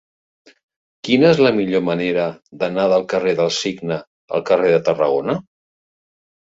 Quina és la millor manera d'anar del carrer del Cigne al carrer de Tarragona?